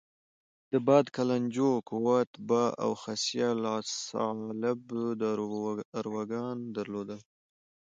د باد کلنجو، قوت باه او خصیه الصعالب داروګان درلودل.